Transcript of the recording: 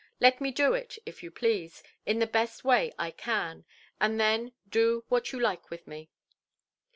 Let me do it, if you please, in the best way I can; and then do what you like with me".